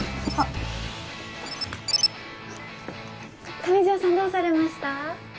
上条さんどうされました？